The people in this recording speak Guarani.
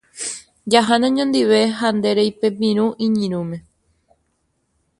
Jahána oñondive ha nde reipepirũ iñirũme.